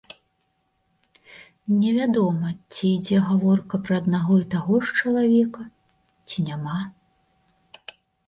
Не вядома, ці ідзе гаворка пра аднаго і таго ж чалавека, ці няма.